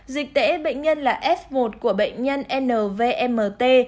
dịch tễ bệnh nhân là f một của bệnh nhân nvmt